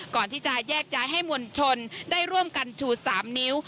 ก่อนที่จะแยกย้ายให้มวลชนได้ร่วมกันชู๓นิ้ว